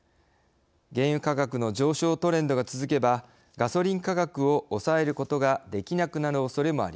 原油価格の上昇トレンドが続けばガソリン価格を抑えることができなくなるおそれもあります。